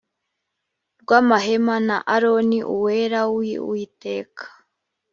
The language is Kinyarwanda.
rw amahema na aroni uwera w uwiteka